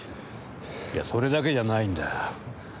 いやそれだけじゃないんだ。